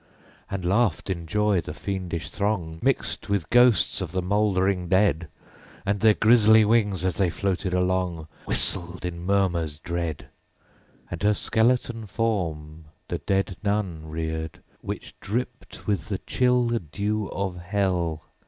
15. And laughed, in joy, the fiendish throng, Mixed with ghosts of the mouldering dead: And their grisly wings, as they floated along, Whistled in murmurs dread. _85 16. And her skeleton form the dead Nun reared Which dripped with the chill dew of hell.